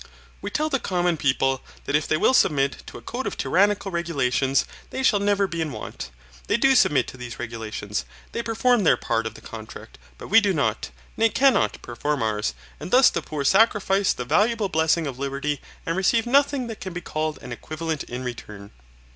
We tell the common people that if they will submit to a code of tyrannical regulations, they shall never be in want. They do submit to these regulations. They perform their part of the contract, but we do not, nay cannot, perform ours, and thus the poor sacrifice the valuable blessing of liberty and receive nothing that can be called an equivalent in return.